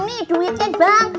nih duitnya bang